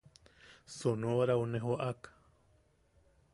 Sonorau ne joʼak.